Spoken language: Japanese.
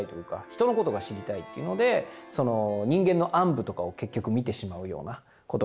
人のことが知りたいっていうのでその人間の暗部とかを結局見てしまうようなことになるわけですよね。